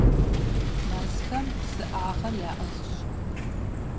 Мэзхэм псыӀагъыр яӀыгъщ.